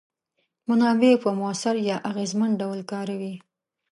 منابع په موثر یا اغیزمن ډول کاروي.